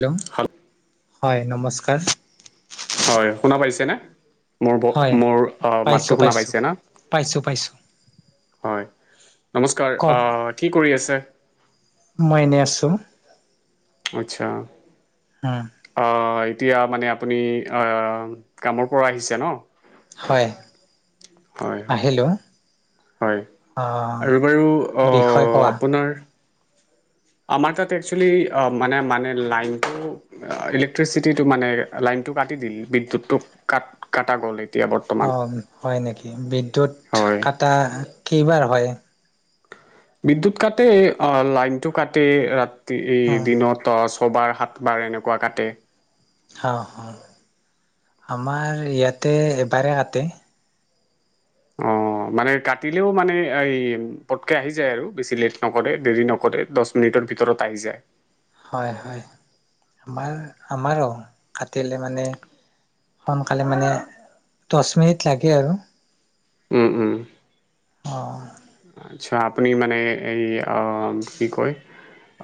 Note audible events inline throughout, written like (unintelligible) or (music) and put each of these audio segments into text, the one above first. Hello হয় নমস্কাৰ হয় শুনা পাইছেনে মোৰ হয় মোৰ পাইছোঁ মাতটো শুনা পাইছোঁ পাইছে না পাইছোঁ পাইছোঁ হয় নমস্কাৰ কি কৰি আছে মনেছোম আচ্ছা অ এতিয়া মানে আপুনি আহ কামৰ পৰা আহিছে ন হয় হয় হয় আহিলোঁ হয় আৰু বাৰু বিষয় কোৱা আপোনাৰ আমাৰ তাত একচেলি মানে মানে লাইনটো ইলেক্ট্ৰিচিটিটো মানে লাইনটো কাটি দিল বিদ্য়ুত ক কটা গ'ল এতিয়া বৰ্তমান অ হয় নেকি বিদ্যয়ুৎ হয় কটা কিবাৰ হয় বিদ্য়ুত কাটে অ লাইনতটো কাটে ৰা এই অঁ দিনৰ তছ ছবাৰ সাত বাৰ এনেকুৱা কাটে অ আমাৰ ইয়াতে এবাৰ আতে অ মানে কাটিলেও মানে এই পটকে আহি যায় আৰু বেছি লেট নকৰে দেৰি নকৰে দহ মিনিটৰ ভিতৰত আহি যায় হয় হয় আমাৰ আমাৰো কাটলে মানে সোনকালে মানে দহ মিনিট লাগে আৰু উম উম অ আচ্ছা আপুনি মানে এই কি কয়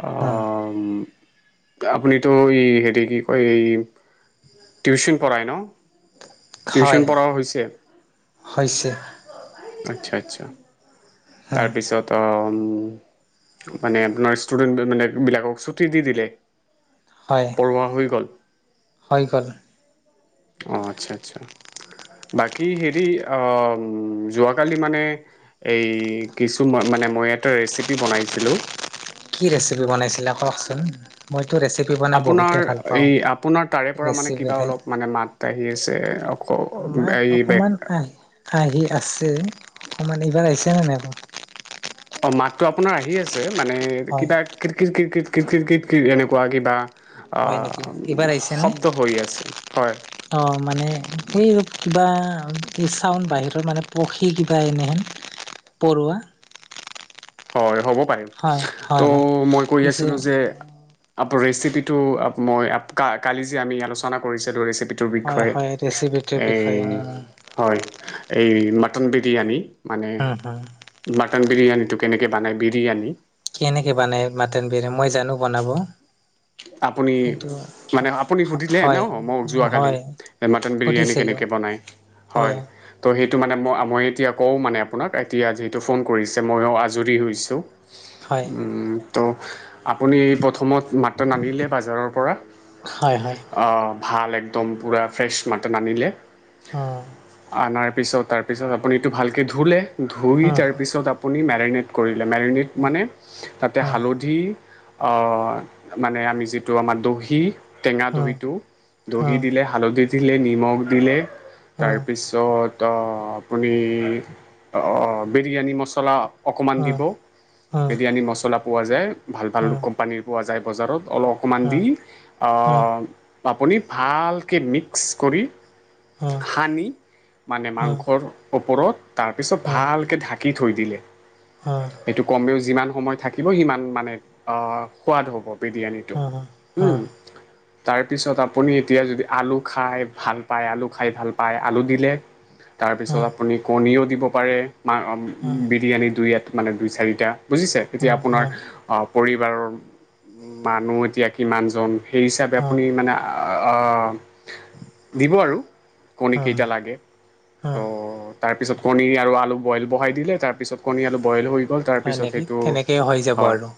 অ হ আপুনিতো এই হেৰি কি কয় এই টউশন পঢ়ায় ন? টিউশচন হয় পঢ়াও হৈছে। হৈছে আচ্ছা আচ্ছা তাৰপিছত আহ মানে আপোনাৰ ষ্টুডেণ্ট মানে বিলাকক ছুটি দি দিলে। হয় পঢ়োৱা হৈ গ'ল হয় গ'ল। অঁ আচ্ছা আচ্ছা বাকী হেৰি যোৱাকালি মানে এই কিছু মানে মই এটা ৰেচিপি বনাইছিলোঁ। কি ৰেচিপি বনাইছিলে কওকচোন মই আপোনাৰ এই আপোনাৰ তাৰে পৰা মানে ৰেচিপি কিবা খাই, অলপ মানে মাত আহি আছে অক মাত এই বেগ সমান এইবাৰ আহিছে নে আকৌ অ মাতটো আপোনাৰ আহি আছে। মানে হয়, কিবা ক্ৰিকিট ক্ৰিকিট। কিত কিত কিতিত এনেকুৱা কিবা আ হয় নেকি এইবাৰ আহিছে নে শব্দ হৈ আছে হয় অ মানে সেই কিবা এই চাউণ্ড বাহিৰত মানে পক্ষী কিবা এনেহেন পৰুৱা হয় হ'ব। হয়, ত হয়, হয়। মই কৈ পিছে আছিলো যে আপ ৰেচিপি টো মই কালি যে আমি আলোচনা কৰিছিলো ৰেচিপি ৰ হয়, বিষয়ে হয় ৰেচিপিটোৰ এই বিষয়ে হয়। এই মটন বিৰিয়ানী। মানে উম, হুম, হুম। বাকী তন বিৰিয়ানীটোক। কেনেকৈ বনায় বিৰিয়ানী। কেনেকে বনাই মাটন বিৰি মই জানো বনাব। আপুনি কিন্তু মানে আপুনি সুধিলে ন হয়, মই যোৱাকালি হয় মাটন বিৰিয়ানী সুধিছিলোঁ। কেনেকে বনাই হয় ত সেই সেইটো মানে ম মই এতিয়া কওঁ মানে আপোনাক এতিয়া যিহেতু ফোন কৰিছে ময়ো আজৰি হৈছোঁ। হয়। ত' আপুনি প্ৰথমত মতন আনিলে বজাৰৰ পৰা হয় হয় ভাল একদম পুৰা ফ্ৰেছ মাটন আনিলে। উম আনাৰ তাৰপিছত তাৰপিছত আপুনি এইটো ভালকৈ ধুলে। ধুই উম তাৰপিছত আপুনি মেৰিনেত কৰি মেৰিনেট উম মানে তাতে উম হালধি অঁ মানে আমি যিটো আমাৰ দহি টেঙা উম দহিটো উম দহি দিলে হালধিত দিলে নিমখ দিলে তাৰ উম পিছত ত আপুনি বিৰিয়ানী মছলা অকণমান উম দিব উম উম উম উম উম উম উম উম উম উম উম উম উম বিৰিয়ানী মছলা কোৱা যায় ভাল ভাল কোম্পানীৰ পোৱা যায় বজাৰত অলপ অকমান দি আহ আপুনি ভালকৈ মিক্স কৰি সানি মানে মাংসৰ পৰত তাৰপিছত ভালকে ঢাকি কি থৈ দিলে সেইটো কমেও যিমান সময় থাকিব সিমান মানে সোৱাদ হ'ব বিৰীয়ানিটো উম তাৰপিছত আপুনি এতিয়া যদি আলু খাই ভাল পায় আলু খাই ভাল পায় আলু দিলে তাৰ উম উম পিছত উম আপুনি কণীও দিব পাৰে মা অহ বিৰিয়ানী দুই এটা মানে দুই চাৰিটা বুজিছে এতিয়া আপোনাৰ উম পৰিবাৰৰ উম মানুহ এতিয়া কিমান জন সেই হিচাপে আপুনি মানে অহ দিব আৰু কণী কেইটা লাগে ত' তাৰ পিছত কণী আৰু আলু বইল বহাই দিলে তাৰ পিছত কণী আলু বইল হৈ ল হয় তাৰপিছত নেকি সেইটো তেনেকেই হৈ যাব হয় আৰু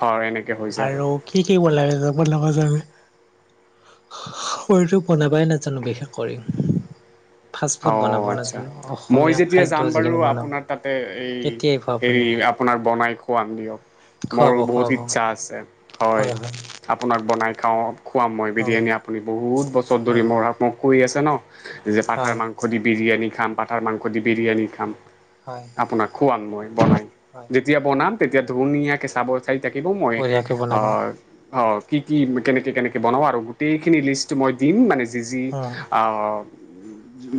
হয় এনে আৰু কি কি বনাই যাব মোৰ লগৰ জনে শৰটো বনাবাই নাজানো বিশেষ কৰি। ফাষ্ট অ ফুড বনাব আচ্ছা নাজানো মই অসমীয়া যেতিয়া খাদ্য যাম বাৰু যিখিনি বনাওঁ আপোনাৰ তাতে এই কেতিয়াই খোৱা আপুনি হেৰি আপোনাৰ বনাই খোৱাম। খোৱাম দিয়ক মোৰ খুৱাব বহুত খুৱাব ইচ্ছা আছে হয় আপোনাক বনাই- খাওঁক- খুৱাম মই হয়, বিৰিয়ানী আপুনি বহুত বছৰ উম, ধৰি ম মোক কয় আছে ন হয় মাংস দি বিৰিয়ানী খাম পাটাৰ মাংস দি বিৰিয়ানী খাম হয়, আপোনাক খোৱান মই বনাই হয়। যেতিয়া বনাম তেতিয়া ধুনীয়াকে চাব- চাই থাকিব মই বঢ়িয়াকে বনাব ওৰ অৰ্ কি কি কেনেকে কেনেকে বনাওঁ আৰু গোটেইখিনি লিষ্টটো মই দিম মানে- যি যি উম, অ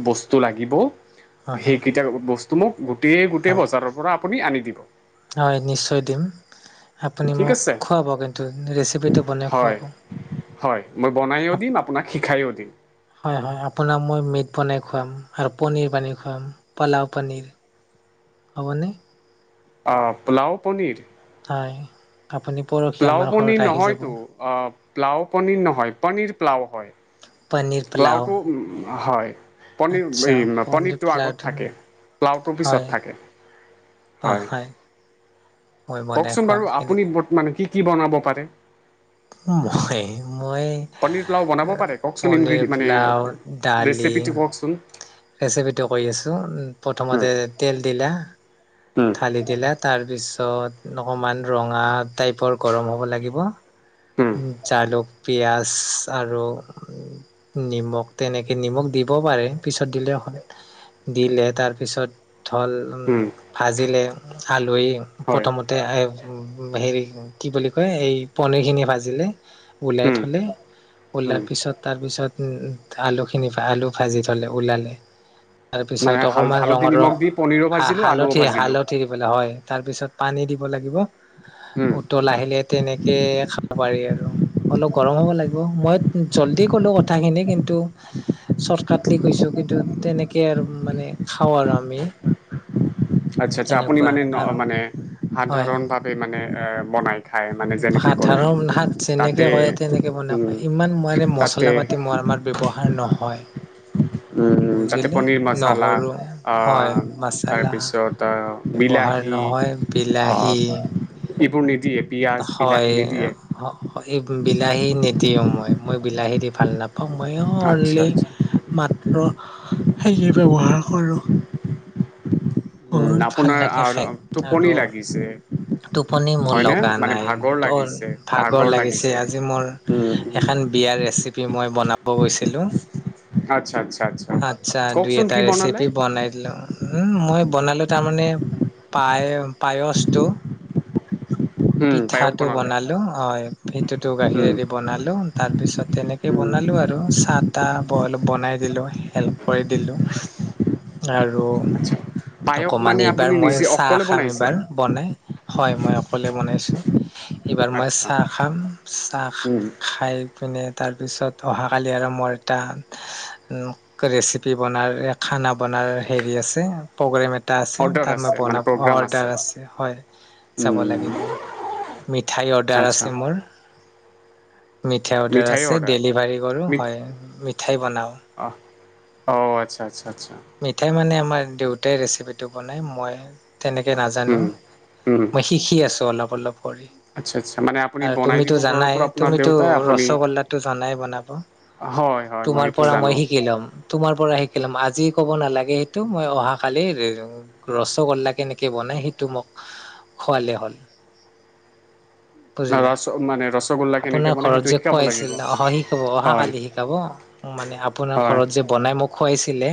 বস্তু লাগিব হা, হা, সেইকেইটাৰ বস্তু- তোমোক গ এই হা। গোটেই বজাৰৰ পৰা। আপুনি আনি দিব। হয় নিশ্চয় দিম। আপুনি ঠিক মোক আছে খুৱাব কিন্তু ৰেচিপিটো বনাই হয় খুৱাব- হয় মই বনায়ো আপ দিম আপোনাক শিকায়ো দিম। হয় হয় আপোনাক মই মিট বনাই খুৱাম আৰু পনীৰ বানে খোৱাম পলাও পনীৰ হ'বনে- অ পোলাও পনীৰ- হয়। আপুনি পৰহি লাও আমাৰ পনী ঘৰত আহি যাব। নহয়তু অহ প্লাও পনীৰ নহয় পনীৰ প্লাও হয় পনীৰ পোলাও প্লাওটো হয় আচ্ছা পনিৰ পনীৰ পনীৰটো আগত পোলাওটো থাকে প্লাওটোৰ পিছত হয়, থাকে হয়। মই বনাই কওকচোন খুৱাম বাৰু আপুনি কেনেকে বদ মানে কি কি বনাব পাৰে অহ মহেও পনীৰ পোলাও বনাব পাৰে? কওকচোন, পনীৰ ইনগ্ৰী মানে, পোলাও দালি ৰেচিপিটো কওঁকচোন। ৰেচিপিটো কৈ আছোঁ, প্ৰথমতে তেল দিলা (unintelligible) উম, ধালি দিলে তাৰ তাৰপিছত, অকণমান ৰঙা টাইপৰ গৰম হ'ব লাগিব, উম, জালুক, পিয়াঁজ আৰু নিমখ তেনেকৈ নিমখ দিব পাৰে! পিছত দিলে হয়। দিলে তাৰপিছত উম, (unintelligible) আজিলে আলহী হয় প্ৰথমতে আয় হেৰি কি বুলি কয়, এই পানীৰ খিনি ভাজিলে। উলিয়াই উম, থ'লে, উলিয়াৰ উম। পিছত, তাৰ পিছত উম, আলু খিনি আলু ভাজি থ'লে ওলালে। মানে, তাৰপিছত হাল অকমান হালধি ৰঙৰ ৰং নিমখ দি পনিৰো হা ভাজিলোঁ, আলু হালধি ভাজি হালধি দি পেলাই হয়। তাৰ পিছত পানী দিব লাগিব। উম, ওতল আহিলে তেনেকে খাব পাৰি আৰু, অলপ গৰম হব লাগিব। মই জলদি ক'লো কথাখিনি, কিন্তু শৰ্টকাটলী কৈছোঁ, কিন্তু তেনেকে আৰু মানে খাওঁ আৰু আমি। আচ্ছা আচ্ছা, আপুনি তেনেকুৱা মানে ন' আৰু মানে হয় সাধাৰণ ভাৱে মানে মানে এ, বনাই খায় মানে যেনেকৈ ক'লে সাধাৰণ হাত যেনেকে তাতে কৰে তেনেকে উম, বনাই, ইমান মানে তাতে মছলা পাতি আমাৰ ব্যৱহাৰ নহয়। তাতে, বুজিলে পনীৰ মচালা নহৰু হয় মাচালা তাৰপিছত ব্যৱহাৰ বিলাহী নহয় বিলাহী এইবোৰ নিদিয়ে। পিঁয়াজ বিলাহী হয় এ নিদিয়ে হ । এই বিলাহী নিদিওঁ মই। মই বিলাহী দি ভাল নাপাওঁ। অ' মইয়ো আচ্ছা অনলি আচ্ছা মাত অ', সেইকেইটা ব্যৱহাৰ কৰোঁ। উম, বহুত ভাল আপোনাৰ লাগে আহ, খাই টোপনি আৰু লাগিছে টোপনি মোৰ হয়নে লগা মানে নাই, ভাগৰ ত' লাগিছে ভাগৰ লাগিছে। আজি মোৰ উম, উম। এখন বিয়া ৰেচিপি মই বনাব গৈছিলোঁ, আচ্ছা আচ্ছা আচ্ছা দুই কওকচোন এটা কি বনালে ৰেচিপি বনাই দিলোঁ। উম, মই বনালো তাৰমানে, পায় পায়সটো। উম, পায়স পিঠাটো বনালে বনালো। হয়! সেইটোতো উম, গাখীৰেদি বনালো, তাৰ পিছত তেনেকে উম, বনালো আৰু চাহ তাহ বল বনাই দিলোঁ, হেল্প কৰি দিলোঁ আৰু আচ্ছা পায়স অকমান মানে এইবাৰ আপুনি মই নিজে চাহ অকলে খাম বনাইছে এইবাৰ বনাই। হয়, মই অকলে বনাই আছোঁ। এইবাৰ মই আচ্ছা চাহ খাম চাহ উম, খাই পিনে তাৰপিছত অহাকালি আৰুম্ মৰ এটা ৰেচিপি বনাৰ খানা বনোৱাৰ হেৰি আছে প্ৰগ্ৰেম এটা এ অৰ্ডাৰ তাত মই আছে বন মানে প্ৰগ্ৰাম আছে অৰ্ডাৰ আ হয়াব উম, লাগ মিঠাই অৰ্ডাৰ আচ্ছা আছে মোৰ মিঠাই অৰ্ডাৰ আছে ডেলিভাৰী কৰোঁ মিঠ হয় মিঠাই বনাওঁ অ মিঠাই মানে আমাৰ দেউতাই ৰেচিপিটো বনাই মই তেনেকে নাজানো উম, উম, মই শিকি আছো অলপ অলপ। হৰি। আচ্ছা আচ্ছা মানে আপুনি আৰু বনাই তুমিটো দিব ঘৰৰ জানাই, পৰা আপোনাৰ তুমিটো দেউতাই আপুনি ৰসগোল্লাটো জানাই বনাবা। হয় হয় তোমাৰ সেইটো পৰা মই জানো শিকি লম। তোমাৰ পৰা আজিয়েই ক'ব নালাগে সেইটো, মই অহাকালি ৰসগোল্লা কেনেকে বনায়, সেইটো মোক খুৱালে হ'ল। বুজিলা? ৰস মানে ৰসগোল্লা কেনেকৈ আপোনাৰ বনাই ঘৰত সেইটো যে শিকাব লাগিব খুৱাইছিল, নহয়? হয় অহাকালি শিকাব? মানে আপোনাৰ হয় ঘৰত যে বনাই মোক। খুৱাইছিলে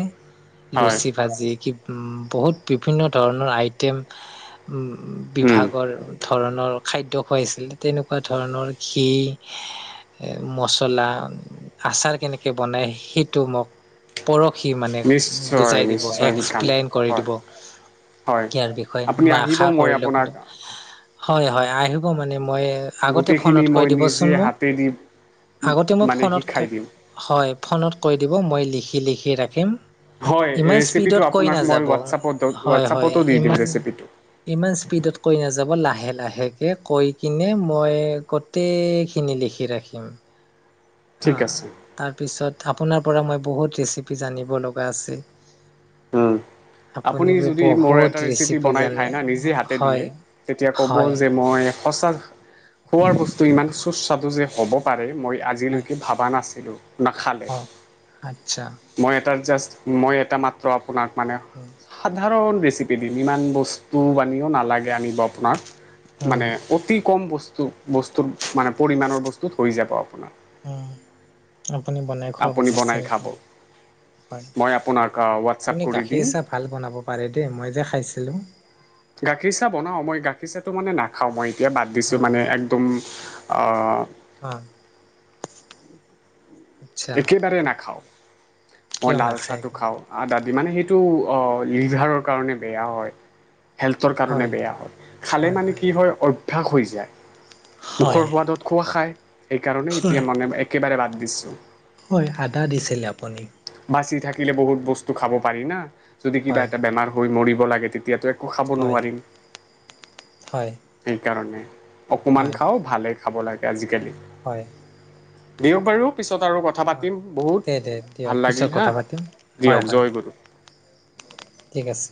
হয় লুচি ভাজি ক উম্। বহুত বিভিন্ন ধৰণৰ আইটেম। উম্, উম, বিভাগৰ। ধৰণৰ খাদ্য খুৱাইছিল তেনেকুৱা ধৰণৰ ঘি মচলা আচাৰ কেনেকে বনাই সেইটো মোক পঢ়ক। সি মানে নিশ্চয় বুজাই দিব নিশ্চয় শিকাম এক্সপ্লেইন কৰি হয় দিব হয় ইয়াৰ বিষয়ে আপুনি মই আহিব আশা মই কৰিলোঁ আপোনাক কিন্তু হয় হয় আহিব মানে মই আগতে গোটেইখিনি ফোনত কৈ মই নিজে দিবচোন মোক হাতেদি আগতে মই মানে ফোনত ক শিকাই দিম হয় ফোনত কৈ দিব, মই লিখি লিখি। দেখিয়ে থাকিম হয় ইমান ৰেচিপিটো স্পীডত কৈ আপোনাক মই নাযাব। হোৱাটছআপত হয় হয়। হোৱাটছআপতো দি দিম ইমান, ৰেচিপিটো ইমান স্পীডত কৈ নাযাব। লাহে লাহে। লাহেকে কৈ কিনে মই গোটেইখিনি লিখি ৰাখিম হ ঠিক আছে তাৰপিছত আপোনাৰ পৰা মই বহুত ৰেচিপি জানিব লগা আছে আপুনি যদি মোৰ এ বহুত ৰেচিপি বনাই খ জানে ন নিজে হাতে দিয়ে হয় তেতিয়া কব হয় যে মই সঁচা, খোৱাৰ বস্তু ইমান সুস্বাদু যে হ'ব পাৰে। মই হয় আজিলৈকে ভাবা নাছ। হেল্ল'। নাখালে। অ আচ্ছা মই এটা জাষ্ট মই এটা মাত্ৰ। চপ আপোনাৰ মানে উম সাধাৰণ ৰেচিপি দিম। ইমান বস্তু আনিও নালাগে, আনিব আপোনাক। মানে উম অতি কম বস্তু। বস্তু বস্তুৰ মানে পৰিমাণৰ বস্তুত হৈ যাব আপোনাৰ উম, আপুনি বনাই খুৱাব আপুনি মোক। বনাই (unintelligible) খাব হয়। মই আপোনাক হোৱাটছআপ আপুনি কৰি গাখীৰ দিম চাহ ভাল বনাব পাৰে দেই, মই যে খাইছিলোঁ। গাখীৰ চাহ বনাওঁ। মই গাখীৰ চাহটো মানে নাখাওঁ মই। এতিয়া বাদ অ দিছোঁ মানে অ একদম আঁ। অ আচ্ছা একেবাৰে নাখাওঁ। মই কিয় লাল নাখায় চাহটো খাওঁ একেবাৰে? আদাদি, মানে সেইটো। ব হেল্থৰ কাৰণে বেয়া হয় খালে মানে কি হয় অ ঠাস হৈ যায়। মুখৰ হয় সোৱাদত খোৱা খাই সেইকাৰণেই এতিয়া মান একেবাৰে বাদ দৃশ্য হয় আদা দিছিলে আপুনি। বাচি থাকিল বহুত বস্তু খাব পাৰিম। যদি কিবা হয় এটা বেমাৰ হৈ মৰি লাগে তেতিয়াতো খাব হয় নোৱাৰি হয় স কাৰণে অকণমান হয় খাওঁ ভালে খাব লাগে আজিকালি। হয়। বিও বাৰও পিছত আৰু কথা অ পাতিম বহুত দে দে দিয়ক ভাল পিছত লাগিল হা কথা পাতিম হয় দিয়ক হয় জয় গুৰু ঠিক আছে